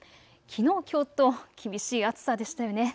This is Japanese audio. きのう、きょうと厳しい暑さでしたよね。